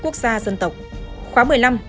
quốc gia dân tộc khóa một mươi năm